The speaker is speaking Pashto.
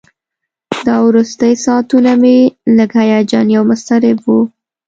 دا وروستي ساعتونه مې لږ هیجاني او مضطرب وو.